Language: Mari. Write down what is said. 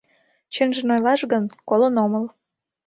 Чынжым ойлаш гын, колын омыл.